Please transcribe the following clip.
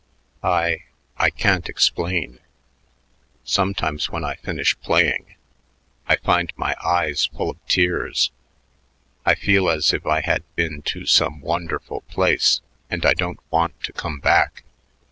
"I I can't explain. Sometimes when I finish playing, I find my eyes full of tears. I feel as if I had been to some wonderful place, and I don't want to come back."